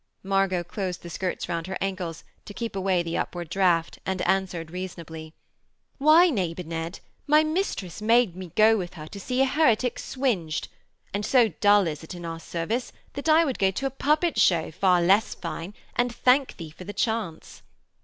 Margot closed the skirts round her ankles to keep away the upward draught and answered reasonably: 'Why, Neighbour Ned, my mistress made me go with her to see a heretic swinged. And, so dull is it in our service, that I would go to a puppet show far less fine and thank thee for the chance.'